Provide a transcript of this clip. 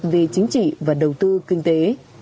về chính trị và đầu tư kinh tế